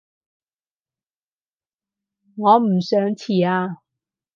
我唔想遲啊